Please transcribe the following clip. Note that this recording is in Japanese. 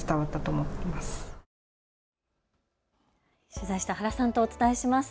取材した原さんとお伝えします。